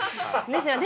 ですよね。